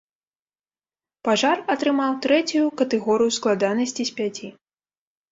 Пажар атрымаў трэцюю катэгорыю складанасці з пяці.